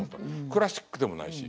クラシックでもないし。